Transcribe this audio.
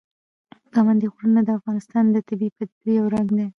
پابندی غرونه د افغانستان د طبیعي پدیدو یو رنګ دی.